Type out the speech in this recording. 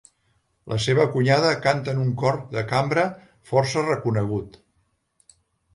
La seva cunyada canta en un cor de cambra força reconegut.